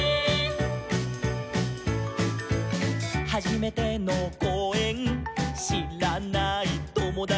「はじめてのこうえんしらないともだち」